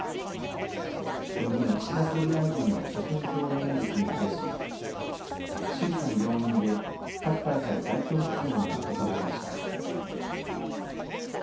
この日の岸田総理大臣の所信表明演説に対し、衆参両院で各会派の代表質問が行われました。